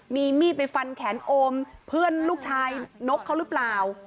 มีมีดไปฟันแขนโอมเพื่อนลูกชายนกเขาหรือเปล่า